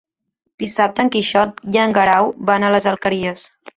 Dissabte en Quixot i en Guerau van a les Alqueries.